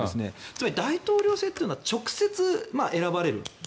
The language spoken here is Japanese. つまり大統領制というのは直接選ばれる。